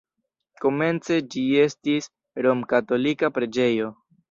Komence ĝi estis romkatolika preĝejo.